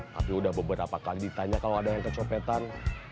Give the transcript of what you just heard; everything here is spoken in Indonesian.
tapi udah beberapa kali ditanya kalau ada yang kecopetan